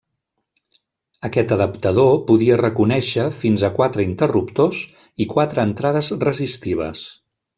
Aquest adaptador podia reconèixer fins a quatre interruptors i quatre entrades resistives.